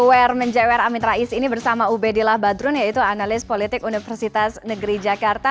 aware menjewer amin rais ini bersama ubedillah badrun yaitu analis politik universitas negeri jakarta